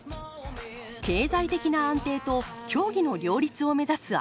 経済的な安定と競技の両立を目指すＡＹＡＮＥ。